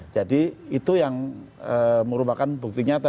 jadi itu yang merupakan bukti nyata